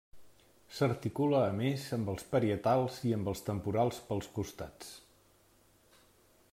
S'articula a més amb els parietals i amb els temporals pels costats.